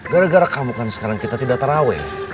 gara gara kamu kan sekarang kita tidak terawih